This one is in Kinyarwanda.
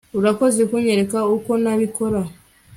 Urakoze kunyereka uko nabikora